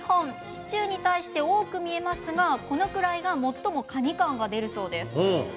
シチューに対して多く見えますがこのくらいが最もカニ感が出るそうです。